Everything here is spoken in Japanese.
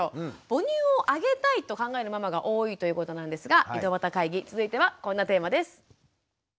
母乳をあげたいと考えるママが多いということなんですが井戸端会議続いてはこんなテーマです。